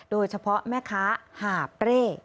โดยเฉพาะแม่ค้าหาบเร่